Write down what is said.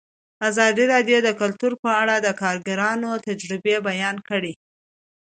ازادي راډیو د کلتور په اړه د کارګرانو تجربې بیان کړي.